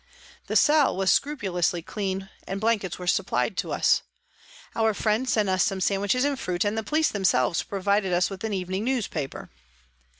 This cell was scrupu lously clean and blankets were supplied to us. Our friends sent us some sandwiches and fruit, and 248 PRISONS AND PRISONERS the police themselves provided us with an evening newspaper.